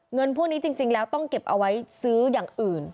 เงินพวกนี้จริงแล้วต้องเก็บเอาไว้ซื้ออย่างอื่น